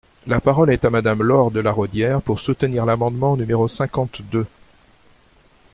La parole est à Madame Laure de La Raudière, pour soutenir l’amendement numéro cinquante-deux.